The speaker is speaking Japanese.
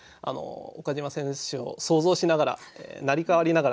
岡島選手を想像しながら成り代わりながら詠んでみました。